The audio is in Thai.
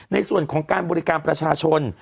ในส่วนของการบริการประชาชน